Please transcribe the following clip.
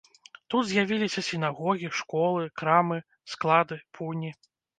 Тут з'явіліся сінагогі, школы, крамы, склады, пуні.